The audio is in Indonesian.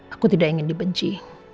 aku tidak ingin dibenci